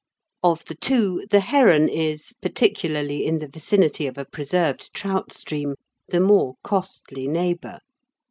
Of the two the heron is, particularly in the vicinity of a preserved trout stream, the more costly neighbour.